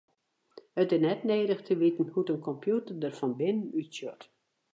It is net nedich te witten hoe't in kompjûter der fan binnen útsjocht.